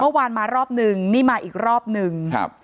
เมื่อวานมารอบนึงนี่มาอีกรอบหนึ่งครับ